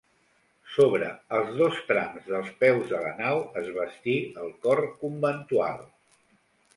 Sobre els dos trams dels peus de la nau es bastí el cor conventual.